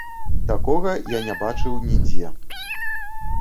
Такога я не бачыў нідзе.